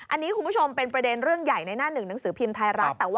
อันนี้คุณผู้ชมเป็นประเด็นเรื่องใหญ่ในหน้าหนึ่งหนังสือพิมพ์ไทยรัฐ